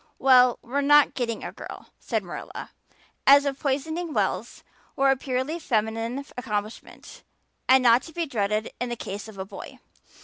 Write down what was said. "Well, we're not getting a girl," said Marilla, as if poisoning wells were a purely feminine accomplishment and not to be dreaded in the case of a boy.